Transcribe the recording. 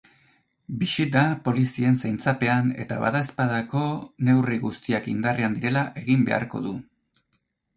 Bisita polizien zaintzapean eta badaezpadako neurri guztiak indarrean direla egin beharko du.